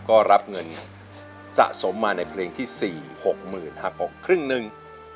ก็รับเงินสะสมมาในเพลงที่๔๖๐๐๐หักออกครึ่งหนึ่ง